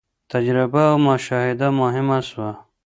تجربه او مشاهده مهمه سوه.